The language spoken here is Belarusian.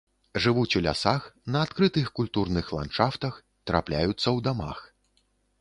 Жывуць у лясах, на адкрытых культурных ландшафтах, трапляюцца ў дамах.